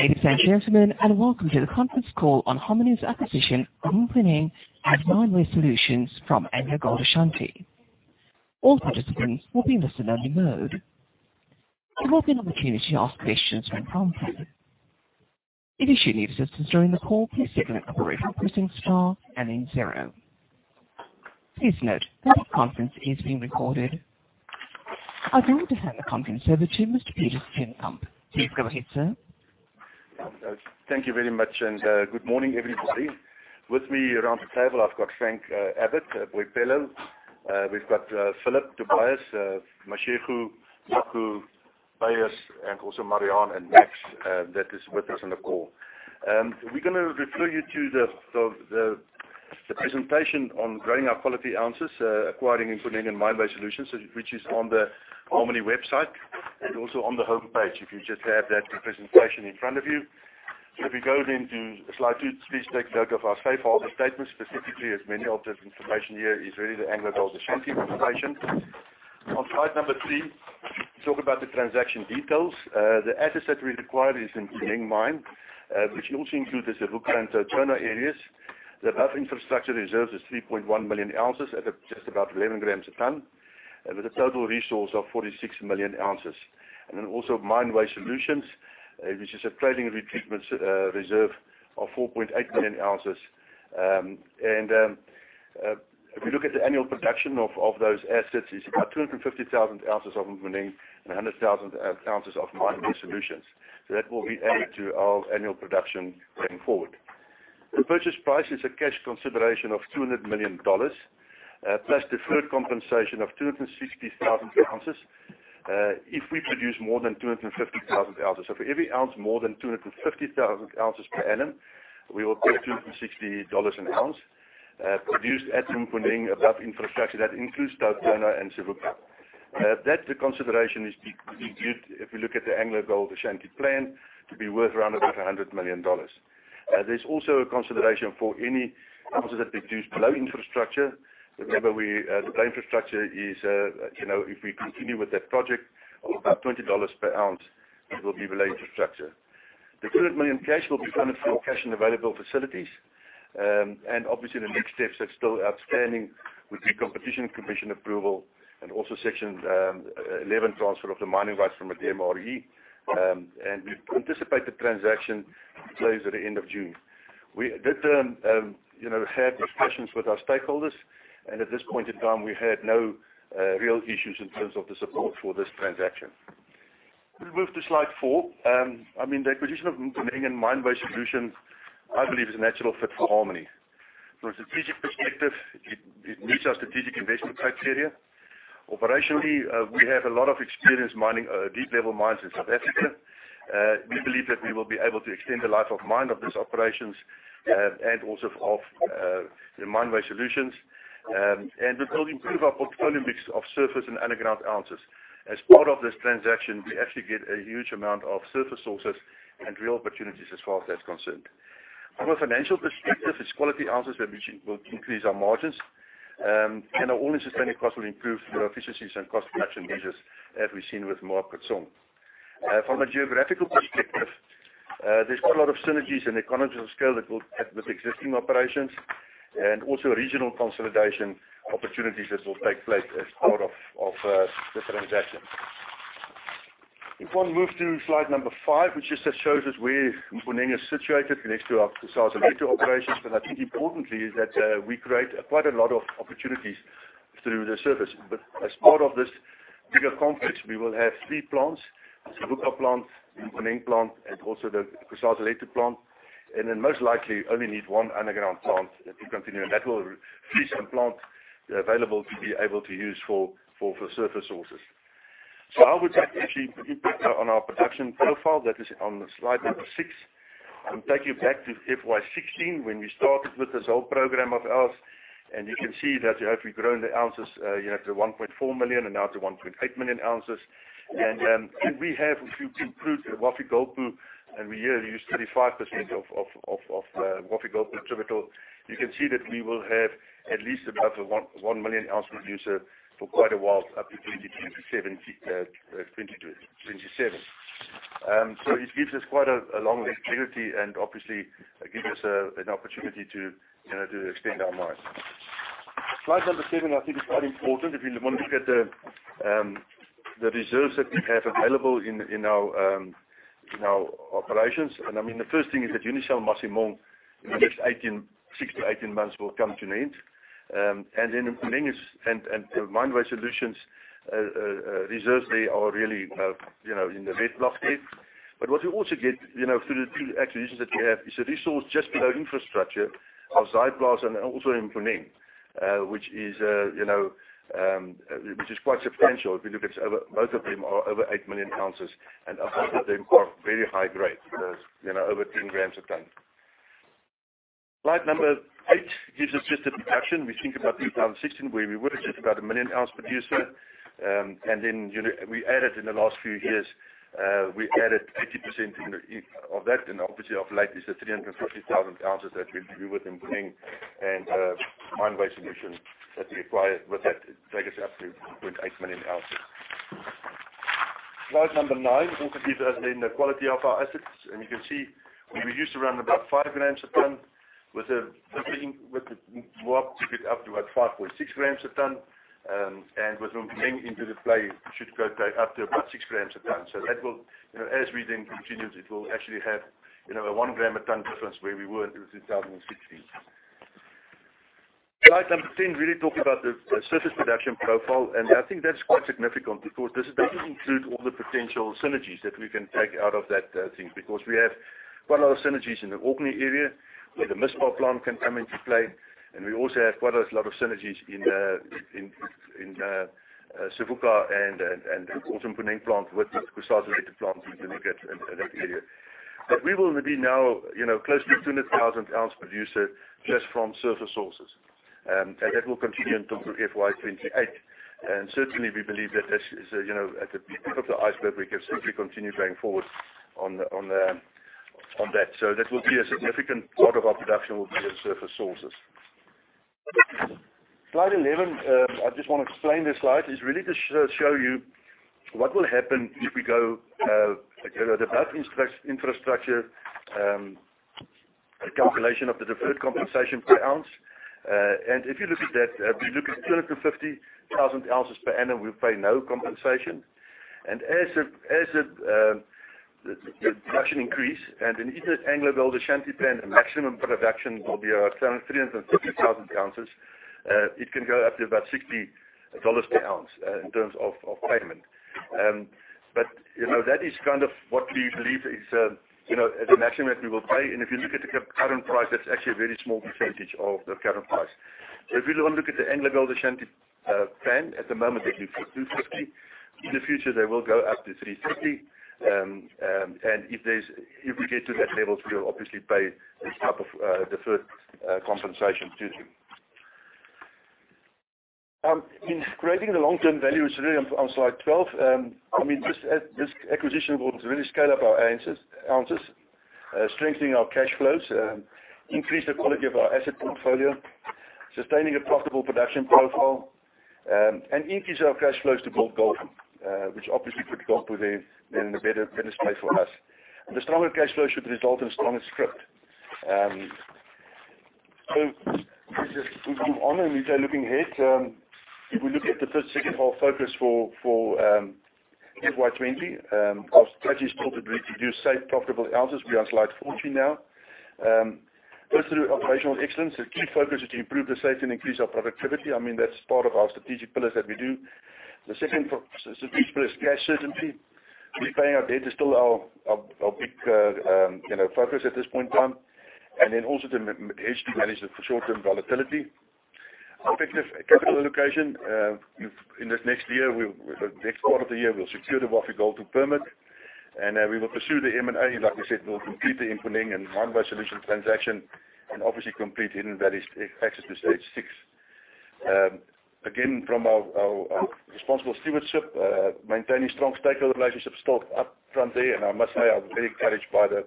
Ladies and gentlemen, welcome to the conference call on Harmony's acquisition of Mponeng and Mine Waste Solutions from AngloGold Ashanti. All participants will be in listen-only mode. There will be an opportunity to ask questions when prompted. If you should need assistance during the call, please signal an operator by pressing star and then zero. Please note, that conference is being recorded. I'd like to hand the conference over to Mr. Peter Steenkamp. Please go ahead, sir. Thank you very much, and good morning, everybody. With me around the table, I've got Frank Abbott, Boipelo. We've got Phillip Tobias, Mashego, Nqaku, Beyers, also Marian and Max that is with us on the call. We're going to refer you to the presentation on growing our quality ounces, acquiring Mponeng and Mine Waste Solutions, which is on the Harmony website, also on the homepage, if you just have that presentation in front of you. If we go to slide two, please take note of our safe harbor statements, specifically as many of the information here is really the AngloGold Ashanti information. On slide number three, talk about the transaction details. The assets that we acquire is in Mponeng mine, which also includes the Savuka and TauTona areas. The above infrastructure reserves is 3.1 million ounces at just about 11 g a ton, with a total resource of 46 million ounces. Mine Waste Solutions, which is a trailing treatment reserve of 4.8 million ounces. If we look at the annual production of those assets, it's about 250,000 oz of Mponeng and 100,000 oz of Mine Waste Solutions. That will be added to our annual production going forward. The purchase price is a cash consideration of $200 million, plus deferred compensation of 260,000 oz if we produce more than 250,000 oz. For every ounce, more than 250,000 oz per annum, we will pay $260 an ounce produced at Mponeng above infrastructure, that includes TauTona and Savuka. That consideration is good if you look at the AngloGold Ashanti plan to be worth $100 million. There's also a consideration for any ounces that we produce below infrastructure. Below infrastructure is if we continue with that project, about $20 per ounce, it will be below infrastructure. The $200 million cash will be funded from cash and available facilities. Obviously the next steps that's still outstanding would be Competition Commission approval and also Section 11 transfer of the mining rights from the DMRE. We anticipate the transaction to close at the end of June. We did have discussions with our stakeholders, and at this point in time, we had no real issues in terms of the support for this transaction. We'll move to slide four. The acquisition of Mponeng and Mine Waste Solutions, I believe is a natural fit for Harmony. From a strategic perspective, it meets our strategic investment criteria. Operationally, we have a lot of experience mining deep level mines in South Africa. We believe that we will be able to extend the life of mine of these operations and also of Mine Waste Solutions. It will improve our portfolio mix of surface and underground ounces. As part of this transaction, we actually get a huge amount of surface ounces and real opportunities as far as that's concerned. From a financial perspective, it's quality ounces that will increase our margins. Our all-in sustaining cost will improve through efficiencies and cost reduction measures, as we've seen with Moab Khotsong. From a geographical perspective, there's quite a lot of synergies and economies of scale that will add with existing operations and also regional consolidation opportunities that will take place as part of this transaction. If one moves to slide number five, which just shows us where Mponeng is situated next to our Kusasalethu operations. I think importantly is that we create quite a lot of opportunities through the surface. As part of this bigger complex, we will have three plants, Savuka plant, Mponeng plant, and also the Kusasalethu plant, then most likely only need one underground plant to continue, and that will free some plant available to be able to use for surface ounces. How would that actually impact on our production profile? That is on slide number six. I'll take you back to FY 2016 when we started with this whole program of ours, and you can see that we have grown the ounces to 1.4 million and now to 1.8 million ounces. If we have to include Wafi-Golpu, and we only use 35% of Wafi-Golpu and [Tvibittol], you can see that we will have at least above a 1 million ounce producer for quite a while, up to 2027. It gives us quite a long longevity and obviously gives us an opportunity to extend our mines. Slide seven, I think, is quite important if you want to look at the reserves that we have available in our operations. The first thing is that Unisel Masimong, in the next 6-18 months will come to an end. Mponeng and Mine Waste Solutions reserves there are really in the red block there. What we also get through the two acquisitions that we have is a resource just below infrastructure of Kusasalethu and also in Mponeng which is quite substantial. If you look at both of them are over 8 million ounces and a half of them are very high grade, over 10 g a ton. Slide number eight gives us just the production. We think about 2016, where we were just about 1 million ounce producer. Then we added in the last few years, we added 80% of that. Obviously of late is the 350,000 oz that we do with Mponeng and Mine Waste Solutions that we acquired with that take us up to 1.8 million ounces. Slide number nine also gives us then the quality of our assets. You can see we used to run about five grams a ton, with Mponeng to get up to about 5.6 g a ton. With Mponeng into the play, it should go up to about 6 g a ton. As we continue, it will actually have a 1 g a ton difference where we were in 2016. Slide number 10 really talk about the surface production profile. I think that's quite significant because this doesn't include all the potential synergies that we can take out of that thing. We have quite a lot of synergies in the Orkney area, where the Mispah plant can come into play. We also have quite a lot of synergies in Savuka and also Mponeng plant with the Kusasa-related plants in that area. We will be now close to a 200,000 oz producer just from surface sources. That will continue until FY 2028. Certainly, we believe that that is the tip of the iceberg. We can simply continue going forward on that. That will be a significant part of our production will be those surface sources. Slide 11, I just want to explain this slide. It's really to show you what will happen if we go above infrastructure, the calculation of the deferred compensation per ounce. If you look at that, if you look at 250,000 oz per annum, we pay no compensation. As the production increase, in AngloGold Ashanti plan, the maximum production will be around 350,000 oz. It can go up to about $60 per ounce in terms of payment. That is kind of what we believe is the maximum that we will pay. If you look at the current price, that's actually a very small percentage of the current price. If you want to look at the AngloGold Ashanti plan, at the moment, they do 250. In the future, they will go up to 350. If we get to that level, we'll obviously pay this type of deferred compensation to them. In creating the long-term value is really on slide 12. This acquisition will really scale up our ounces, strengthening our cash flows, increase the quality of our asset portfolio, sustaining a profitable production profile, and increase our cash flows to build gold, which obviously put Gold Fields in a better space for us. The stronger cash flow should result in stronger scrip. If we move on and we say looking ahead, if we look at the first second half focus for FY 2020, our strategy is still to really produce safe, profitable ounces. We're on slide 14 now. Go through operational excellence. The key focus is to improve the safety and increase our productivity. That's part of our strategic pillars that we do. The second strategic pillar is cash certainty. Repaying our debt is still our big focus at this point in time. Also to hedge to manage the short-term volatility. Effective capital allocation. In this next quarter of the year, we'll secure the Wafi-Golpu permit, and we will pursue the M&A. Like we said, we'll complete the Mponeng and Mine Waste Solutions transaction and obviously complete Hidden Valley's access to stage 6. From our responsible stewardship, maintaining strong stakeholder relationships still up front there. I must say, I was very encouraged by the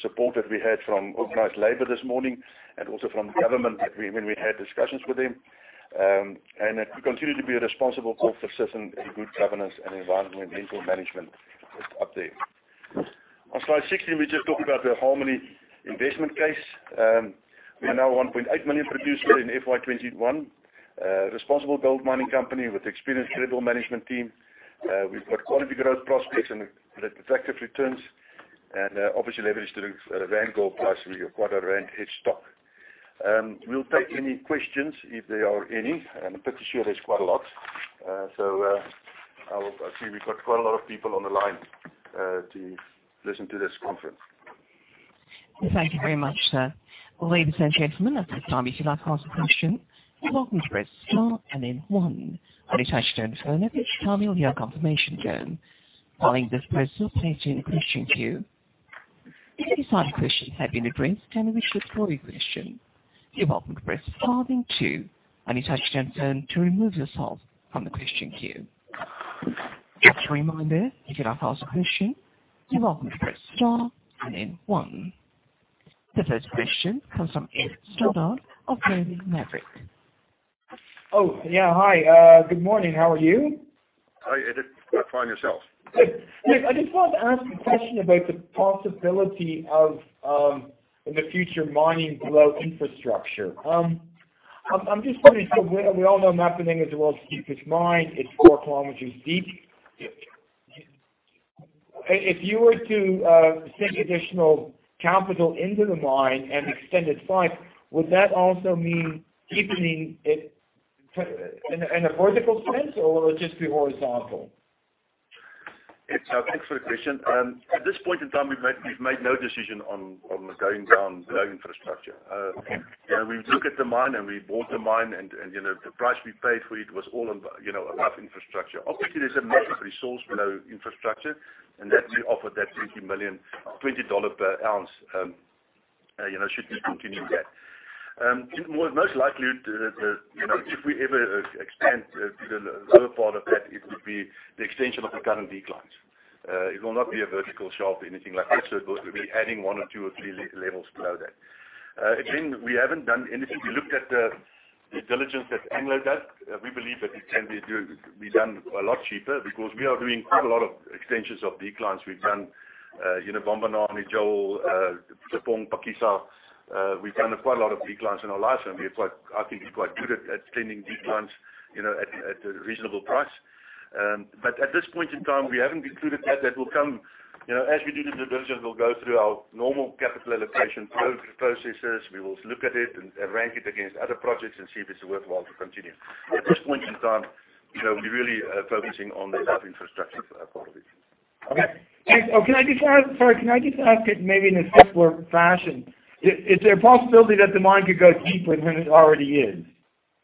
support that we had from organized labor this morning and also from government when we had discussions with them. We continue to be a responsible corporate citizen in good governance and environmental management is up there. On slide 16, we just talk about the Harmony investment case. We're now a 1.8 million producer in FY 2021, a responsible gold mining company with experienced credible management team. We've got quality growth prospects and attractive returns, obviously leverage to the Rand gold price. We are quite a Rand hedge stock. We'll take any questions if there are any. I'm pretty sure there's quite a lot. I see we've got quite a lot of people on the line to listen to this conference. Thank you very much, sir. Ladies and gentlemen, at this time, if you'd like to ask a question, you're welcome to press star and then one. When it's your turn, please tell me your confirmation tone. Following this process, stay in the question queue. If you decide your question have been addressed and you wish to withdraw your question, you're welcome to press star then two and it's your turn to remove yourself from the question queue. Just a reminder, if you'd like to ask a question, you're welcome to press star and then one. The first question comes from Ed Stoddard of Daily Maverick. Oh, yeah. Hi. Good morning. How are you? Hi, Ed. Fine. Yourself? Good. I just want to ask a question about the possibility of, in the future, mining below infrastructure. I'm just curious, we all know Mponeng is the world's deepest mine. It's 4 km deep. If you were to sink additional capital into the mine and extend it five, would that also mean deepening it in a vertical sense or will it just be horizontal? Ed, thanks for the question. At this point in time, we've made no decision on going down below infrastructure. We look at the mine and we bought the mine. The price we paid for it was all above infrastructure. Obviously, there's a massive resource below infrastructure. We offered that $20 million, $20 per ounce, should we continue that. Most likely, if we ever expand to the lower part of that, it would be the extension of the current declines. It will not be a vertical shaft or anything like that. It will be adding one or two or three levels below that. Again, we haven't done anything. We looked at the diligence that Anglo does. We believe that it can be done a lot cheaper because we are doing quite a lot of extensions of declines. We've done Bambanani, Nami, Joel, Tshepong, Phakisa. We've done quite a lot of declines in our life, and I think we're quite good at extending declines at a reasonable price. At this point in time, we haven't included that. That will come as we do the diligence. We'll go through our normal capital allocation processes. We will look at it and rank it against other projects and see if it's worthwhile to continue. At this point in time, we're really focusing on the infrastructure part of it. Okay, thanks. Sorry, can I just ask it maybe in a simpler fashion? Is there a possibility that the mine could go deeper than it already is?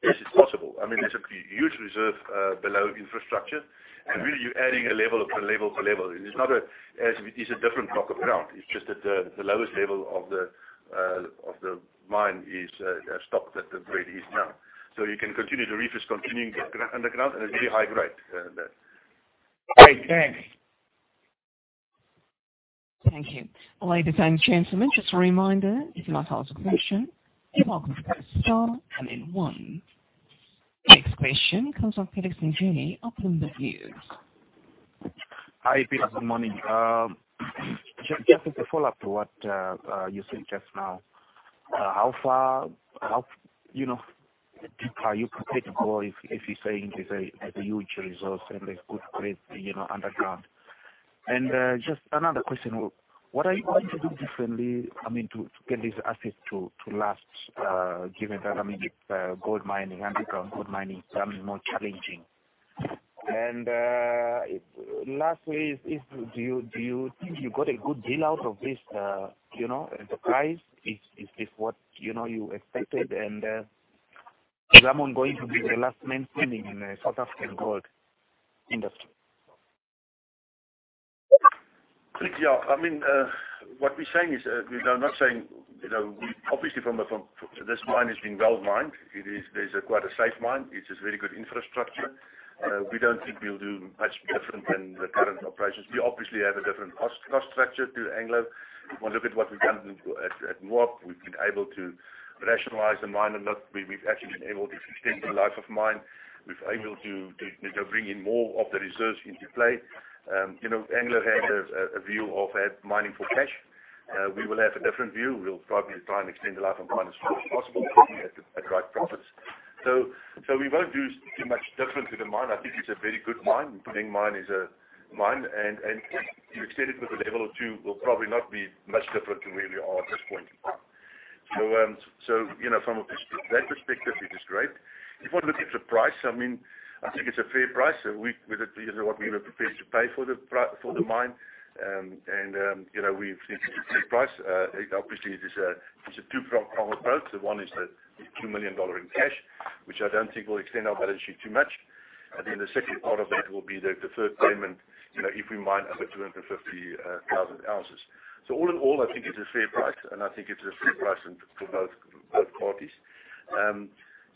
Yes, it's possible. There's a huge reserve below infrastructure, and really you're adding a level per level. It's a different block of ground. It's just that the lowest level of the mine is stopped at the grade east now. You can continue to refit, continuing underground, and it's very high grade there. Great. Thanks. Thank you. Ladies and gentlemen, just a reminder, if you'd like to ask a question, you're welcome to press star and then one. Next question comes from [Peterson Jenny up in the views.] Hi, Peterson. Morning. As a follow-up to what you said just now. How far deeper are you prepared to go if you're saying there's a huge resource and there's good grade underground? Just another question, what are you going to do differently to get this asset to last, given that it's gold mining, underground gold mining, more challenging. Lastly, do you think you got a good deal out of this enterprise? Is this what you expected and is Harmony going to be the last man standing in the South African gold industry? What we're saying is, obviously this mine has been well-mined. It is quite a safe mine. It's a very good infrastructure. We don't think we'll do much different than the current operations. We obviously have a different cost structure to Anglo. If you want to look at what we've done at Moab, we've been able to rationalize the mine a lot. We've actually been able to extend the life of mine. We've able to bring in more of the reserves into play. Anglo had a view of mining for cash. We will have a different view. We'll probably try and extend the life of mine as soon as possible, looking at the right profits. We won't do too much different to the mine, I think it's a very good mine. Mponeng mine is a mine, if you extend it with a level or two, will probably not be much different to where we are at this point. From that perspective, it is great. If one looks at the price, I think it's a fair price. It is what we were prepared to pay for the mine. We think it's a fair price. Obviously, it's a two-pronged approach. The one is the $2 million in cash, which I don't think will extend our balance sheet too much. Then the second part of that will be the deferred payment, if we mine over 250,000 ounces. All in all, I think it's a fair price, and I think it's a fair price for both parties.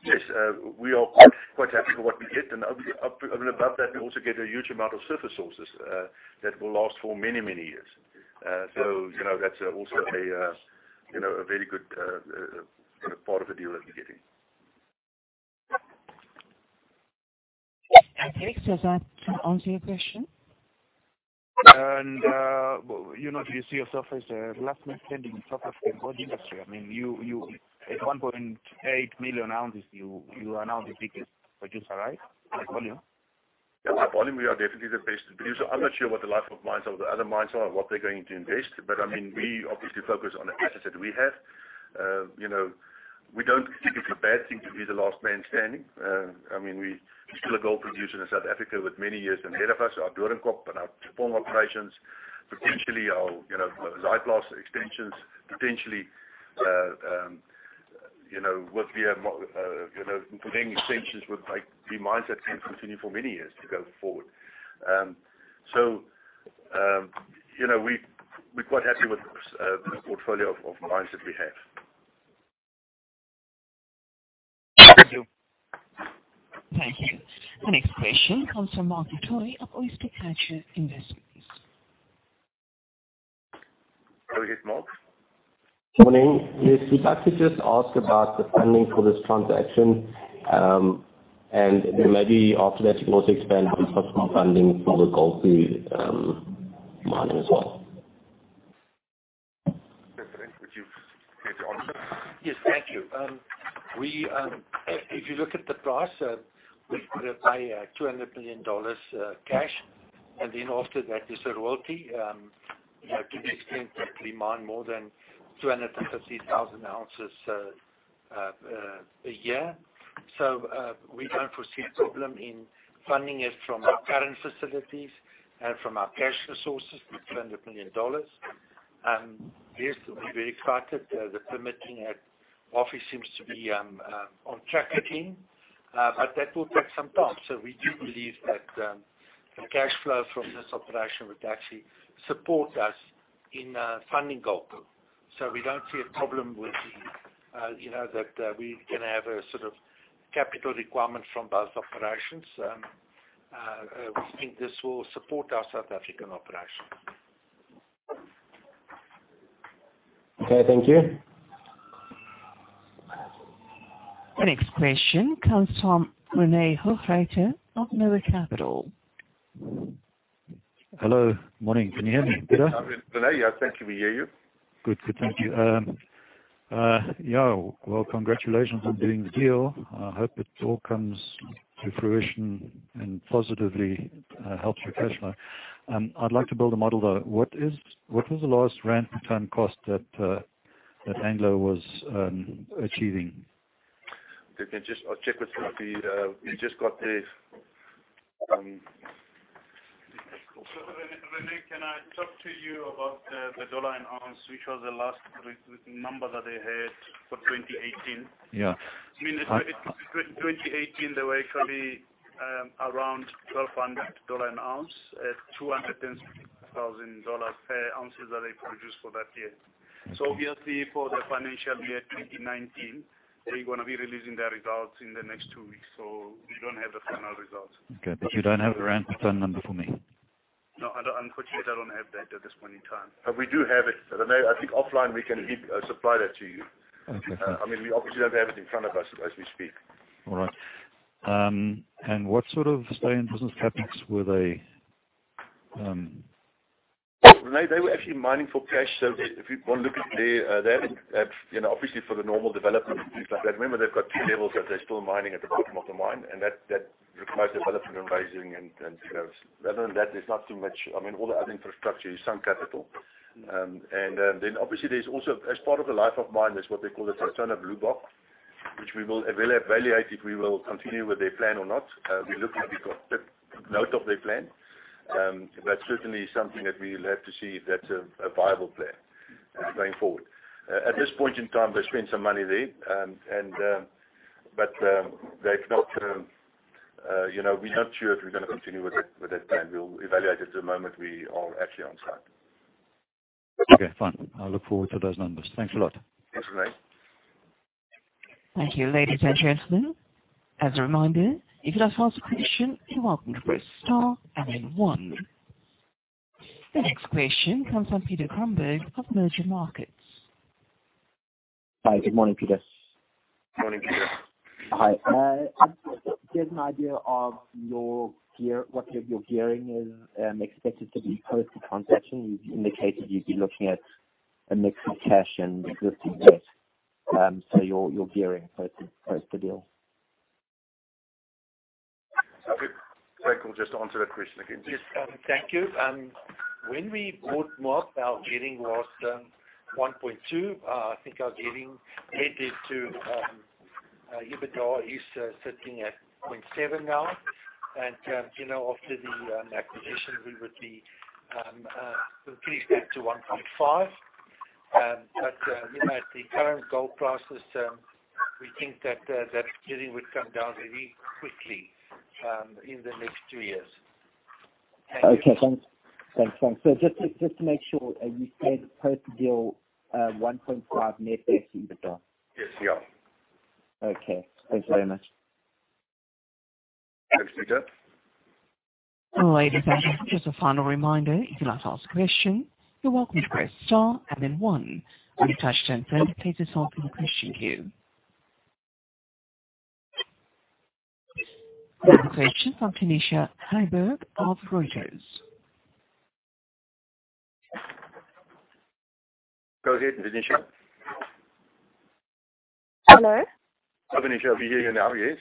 Yes, we are quite happy with what we get. Above that, we also get a huge amount of surface sources that will last for many, many years. That's also a very good part of the deal that we're getting. Okay. Does that answer your question? Do you see yourself as the last man standing in South African gold industry? At 1.8 million ounces, you are now the biggest producer, right? By volume. By volume, we are definitely the biggest producer. I'm not sure what the life of mines or the other mines are and what they're going to invest, but we obviously focus on the assets that we have. We don't think it's a bad thing to be the last man standing. We're still a gold producer in South Africa with many years ahead of us. Our Doornkop and our Tshepong operations, potentially our Zaaiplaats extensions, potentially Mponeng extensions would be mines that can continue for many years to go forward. We're quite happy with the portfolio of mines that we have. Thank you. Thank you. Our next question comes from Mark du Toit of Oyster Catcher Investments. Go ahead, Mark. Morning. Yes. We'd like to just ask about the funding for this transaction, and maybe after that, you can also expand on possible funding for the Golpu mining as well. Frank, would you care to answer? Yes, thank you. If you look at the price, we've got to pay $200 million cash, and then after that is a royalty to the extent that we mine more than 250,000 oz a year. We don't foresee a problem in funding it from our current facilities and from our cash resources, the $200 million. Yes, we're very excited. The permitting at Wafi seems to be on track again, but that will take some time. We do believe that the cash flow from this operation would actually support us in funding Golpu. We don't see a problem with. We can have a sort of capital requirement from both operations. We think this will support our South African operation. Okay. Thank you. The next question comes from René Hochreiter of Noah Capital Markets. Hello. Morning. Can you hear me, Peter? Morning, René. Yes, thank you. We hear you. Good. Thank you. Congratulations on doing the deal. I hope it all comes to fruition and positively helps your cash flow. I'd like to build a model, though. What was the last rand per ton cost that Anglo was achieving? I'll check with Murphy. We just got the. René, can I talk to you about the dollar an ounce, which was the last number that they had for 2018? Yeah. In 2018, they were actually around $1,200 an ounce at $210,000 per ounces that they produced for that year. Obviously, for the financial year 2019, they're going to be releasing their results in the next two weeks, so we don't have the final results. Okay. You don't have a rand per ton number for me? No, unfortunately, I don't have that at this point in time. We do have it, René. I think offline we can supply that to you. We obviously don't have it in front of us as we speak. All right. What sort of stay in business tactics were they? René, they were actually mining for cash. If you go and look at their, obviously for the normal development and things like that, remember they've got two levels that they're still mining at the bottom of the mine, and that requires development and raising. Other than that, there's not too much. All the other infrastructure is sunk capital. Obviously, there's also, as part of the life of mine, there's what they call the ++++++++, which we will evaluate if we will continue with their plan or not. We got note of their plan. Certainly something that we'll have to see if that's a viable plan going forward. At this point in time, they spend some money there. We're not sure if we're going to continue with that plan. We'll evaluate it the moment we are actually on site. Okay, fine. I'll look forward to those numbers. Thanks a lot. Thanks, René. Thank you, ladies and gentlemen. As a reminder, if you would like to ask a question, you are welcome to press star and then one. The next question comes from Peter Cromberge of Mergermarket. Hi, good morning, Peter. Morning, Peter. Hi. Get an idea of what your gearing is expected to be post the transaction? You've indicated you'd be looking at a mix of cash and existing debt. Your gearing post the deal? If we could just answer that question again. Yes, thank you. When we bought Moab, our gearing was 1.2. I think our gearing headed to EBITDA is sitting at 0.7 now. After the acquisition, we would increase that to 1.5. At the current gold prices, we think that gearing would come down very quickly in the next two years. Okay, thanks. Just to make sure, you said post deal, 1.5 net debt to EBITDA? Yes, we are. Okay. Thanks very much. Thanks, Peter. Ladies and gentlemen, just a final reminder, if you'd like to ask a question, you're welcome to press star and then one. When touched in turn, please listen for the question queue. The next question from Tanisha Hyberg of Reuters. Go ahead, Tanisha. Hello. Hi, Tanisha. We hear you now, yes.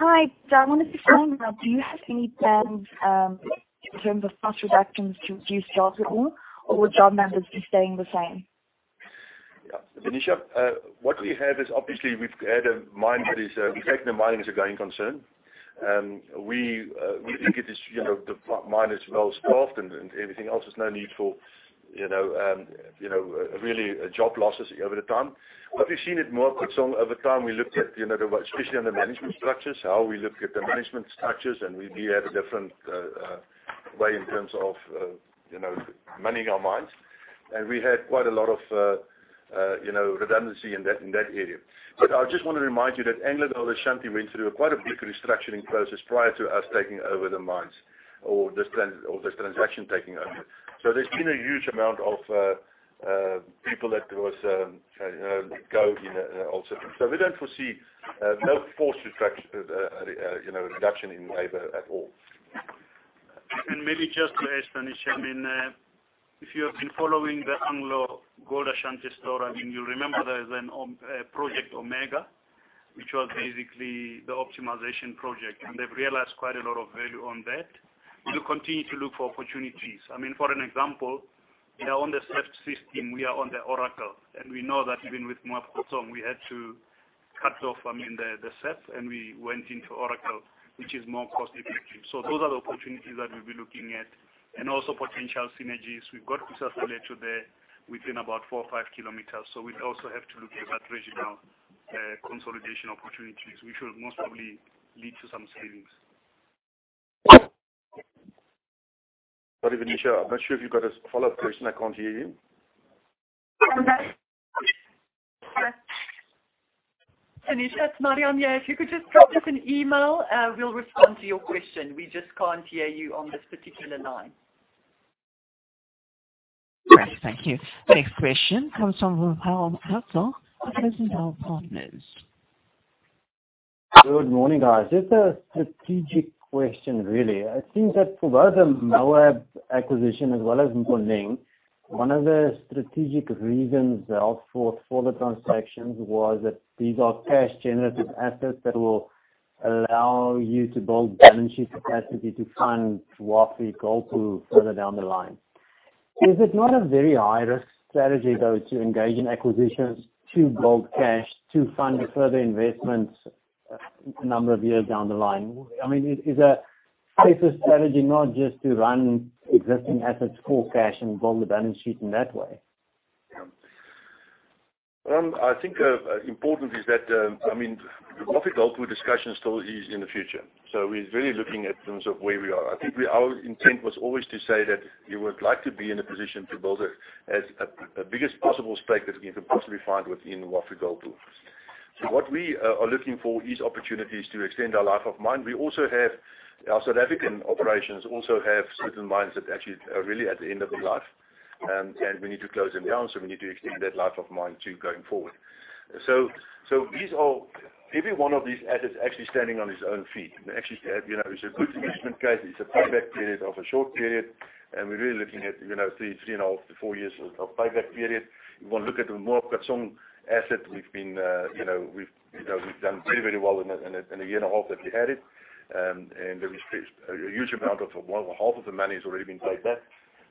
Hi. I wanted to find out, do you have any plans in terms of cost reductions to reduce jobs at all, or job numbers be staying the same? Tanisha, what we have is, obviously, we've had a mine that is we take the mining as a going concern. We think the mine is well-staffed and everything else. There's no need for really job losses over the time. What we've seen at Moab Khotsong over time, we looked at, especially on the management structures, how we look at the management structures, and we had a different way in terms of manning our mines. We had quite a lot of redundancy in that area. I just want to remind you that AngloGold Ashanti went through quite a big restructuring process prior to us taking over the mines or this transaction taking over. There's been a huge amount of people that was go in also. We don't foresee no forced reduction in labor at all. Maybe just to explain, Tanisha, if you have been following the AngloGold Ashanti story, you remember there is a Project Omega, which was basically the optimization project, and they've realized quite a lot of value on that. We will continue to look for opportunities. For example, on the SAP system, we are on the Oracle, and we know that even with Moab Khotsong, we had to cut off the SAP, and we went into Oracle, which is more cost-effective. Those are the opportunities that we'll be looking at and also potential synergies. We've got Kusasalethu there within about four or 5 km. We'll also have to look at that regional consolidation opportunities, which will most probably lead to some savings. Sorry, Tanisha, I'm not sure if you got a follow-up question. I can't hear you. Tanisha, it's Marian here. If you could just drop us an email, we'll respond to your question. We just can't hear you on this particular line. Great. Thank you. Next question comes from Wilhelm Hertzog, Rozendal Partners. Good morning, guys. Just a strategic question, really. I think that for both the Moab acquisition as well as Mponeng, one of the strategic reasons put forth for the transactions was that these are cash generative assets that will allow you to build balance sheet capacity to fund Wafi-Golpu further down the line. Is it not a very high-risk strategy, though, to engage in acquisitions to build cash to fund further investments a number of years down the line? I mean, is that a safer strategy not just to run existing assets for cash and build the balance sheet in that way? I think important is that, I mean, the Wafi-Golpu discussion still is in the future. We're really looking at terms of where we are. I think our intent was always to say that you would like to be in a position to build as biggest possible stake that we can possibly find within Wafi-Golpu. What we are looking for is opportunities to extend our life of mine. Our South African operations also have certain mines that actually are really at the end of their life, and we need to close them down, so we need to extend that life of mine too, going forward. Every one of these assets actually standing on its own feet, it's a good investment case. It's a payback period of a short period, and we're really looking at three and a half to four years of payback period. We look at the Moab Khotsong asset, we've done very well in the year and a half that we had it, and a huge amount of half of the money has already been paid back.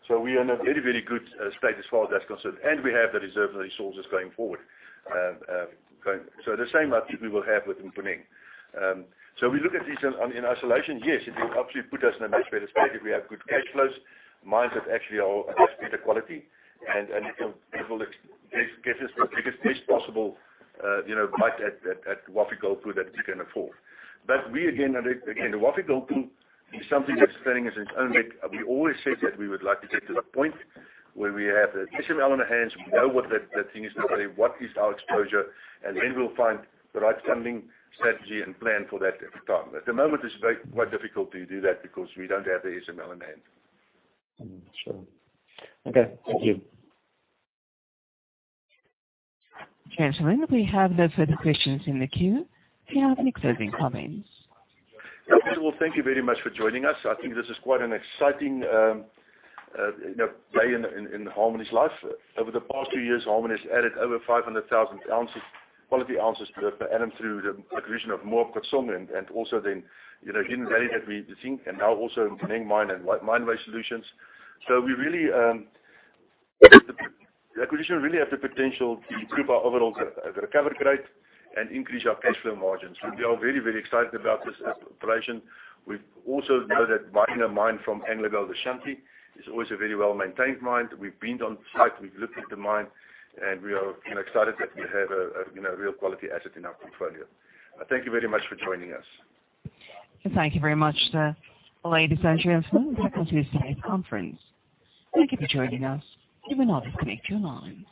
We are in a very good state as far as that's concerned, and we have the reserves and resources going forward. The same I think we will have with Mponeng. We look at these in isolation. Yes, it will absolutely put us in a much better state if we have good cash flows, mines that actually are of better quality and it will get us the biggest possible bite at Wafi-Golpu that we can afford. We, again, Wafi-Golpu is something that's standing as its own leg. We always said that we would like to get to the point where we have the SML in our hands. We know what that thing is going to say, what is our exposure, and then we'll find the right funding strategy and plan for that at the time. At the moment, it's quite difficult to do that because we don't have the SML in hand. Sure. Okay. Thank you. Gentlemen, we have no further questions in the queue. Any closing comments? Okay. Well, thank you very much for joining us. I think this is quite an exciting play in Harmony's life. Over the past two years, Harmony has added over 500,000 quality ounces per annum through the acquisition of Moab Khotsong [and also in very end we think and now also minely solutions. Acquisition really has the potential to overall and increase cash flow margins. We are really excited about this operation, we also know that AngloGold Ashanti is also very well maintained mine. We are excited that we have real quality asset in our control. Thank you very much for joining us. Thank you very much ladies and gentlemen, thank you for joining us you may now disconnect your lines.]